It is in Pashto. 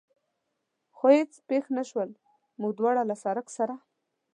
خو هېڅ پېښ نه شول، موږ دواړه له سړک سره.